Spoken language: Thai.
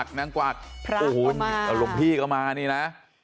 นี่นางกวากพระก็มาอร่องพี่ก็มานี่นะ